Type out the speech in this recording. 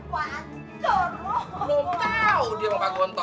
belum tahu dia pak gonta